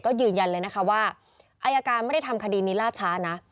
ก็ยืนยันเลยนะคะว่าอายการไม่ได้ทำคดีนี้ล่าช้านะ